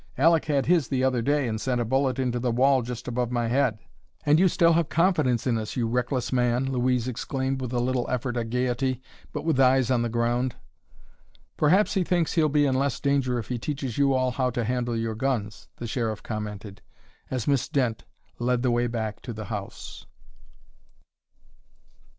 "Aleck had his the other day, and sent a bullet into the wall just above my head." "And you still have confidence in us, you reckless man!" Louise exclaimed with a little effort at gayety, but with eyes on the ground. "Perhaps he thinks he'll be in less danger if he teaches you all how to handle your guns," the Sheriff commented, as Miss Dent led the way back to the house.